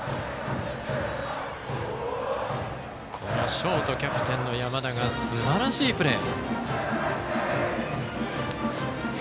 ショート、キャプテンの山田がすばらしいプレー。